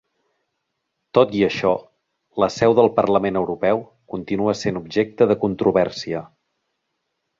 Tot i això, la seu del Parlament Europeu continua sent objecte de controvèrsia.